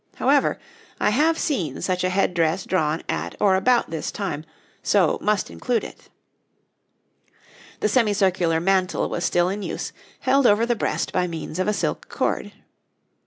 However, I have seen such a head dress drawn at or about this time, so must include it. The semicircular mantle was still in use, held over the breast by means of a silk cord.